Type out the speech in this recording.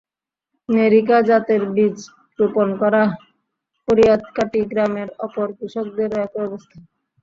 NERICA জাতের বীজ রোপণ করা ফরিয়াদকাটি গ্রামের অপর কৃষকদেরও একই অবস্থা।